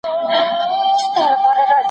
نیمه سپارښتنه شوي ورزش د سرطان خطر کموي.